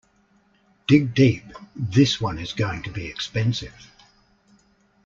Dig deep, this one is going to be expensive!.